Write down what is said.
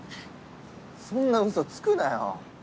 そんなウソつくなよ。